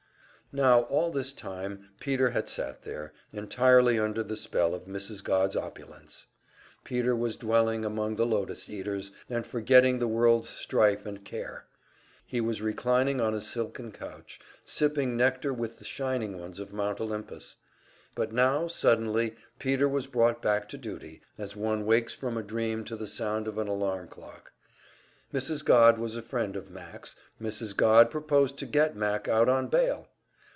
Now all this time Peter had sat there, entirely under the spell of Mrs. Godd's opulence. Peter was dwelling among the lotus eaters, and forgetting the world's strife and care; he was reclining on a silken couch, sipping nectar with the shining ones of Mount Olympus. But now suddenly, Peter was brought back to duty, as one wakes from a dream to the sound of an alarm clock. Mrs. Godd was a friend of Mac's, Mrs. Godd proposed to get Mac out on bail!